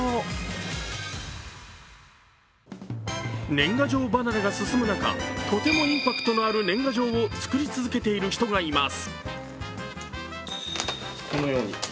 年賀状離れが進む中、とてもインパクトのある年賀状を作り続けている人がいます。